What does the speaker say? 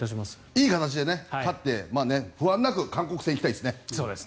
いい形で勝って、不安なく韓国戦に行きたいですね。